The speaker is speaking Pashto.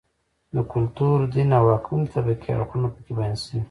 د کلتور، دین او واکمنې طبقې اړخونه په کې بیان شوي